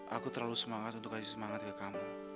aku terlalu semangat untuk kasih semangat ke kamu